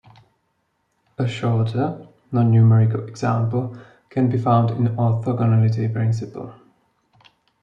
A shorter, non-numerical example can be found in orthogonality principle.